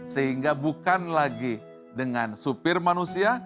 sehingga bukan lagi dengan supir manusia